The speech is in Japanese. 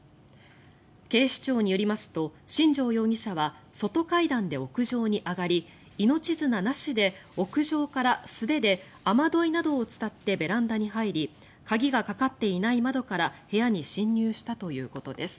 警視庁によりますと新城容疑者は外階段で屋上に上がり命綱なしで屋上から素手で雨どいなどを伝ってベランダに入り鍵がかかっていない窓から部屋に侵入したということです。